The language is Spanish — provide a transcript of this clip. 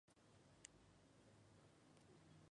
El Imperio español estaba en el cenit de su poder.